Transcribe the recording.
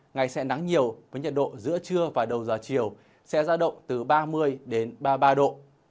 ngày sẽ nắng nhiều với nhiệt độ giữa trưa và đầu giờ chiều sẽ ra động từ ba mươi đến ba mươi ba độ